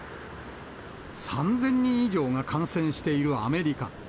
３０００人以上が感染しているアメリカ。